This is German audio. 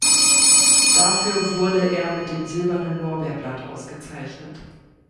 Dafür wurde er mit dem Silbernen Lorbeerblatt ausgezeichnet.